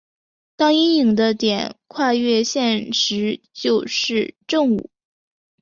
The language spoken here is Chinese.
当阴影的点跨越线时就是正午。